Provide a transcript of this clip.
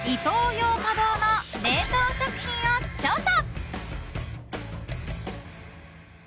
ヨーカドーの冷凍食品を調査！